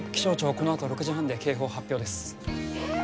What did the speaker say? このあと６時半で警報発表です。